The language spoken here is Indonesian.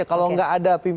kalau gak ada